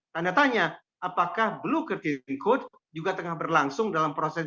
tanda tanya apakah blue kertain code juga tengah berlangsung dalam proses